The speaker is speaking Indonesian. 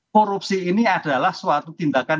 korupsi ini adalah suatu tindakan